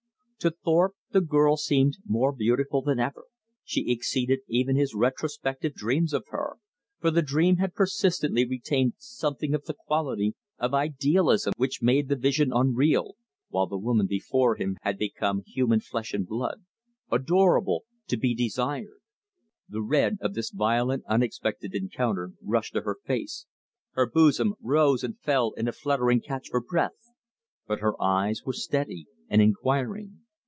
To Thorpe the girl seemed more beautiful than ever. She exceeded even his retrospective dreams of her, for the dream had persistently retained something of the quality of idealism which made the vision unreal, while the woman before him had become human flesh and blood, adorable, to be desired. The red of this violent unexpected encounter rushed to her face, her bosom rose and fell in a fluttering catch for breath; but her eyes were steady and inquiring.